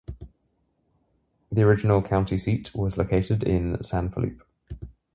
The original county seat was located in San Felipe.